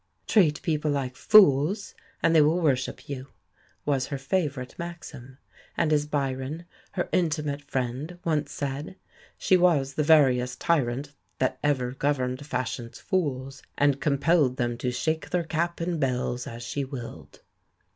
"Treat people like fools, and they will worship you," was her favourite maxim. And as Bryon, her intimate friend, once said, "She was the veriest tyrant that ever governed Fashion's fools, and compelled them to shake their cap and bells as she willed."